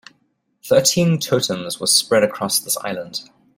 Thirteen totems were spread across this island.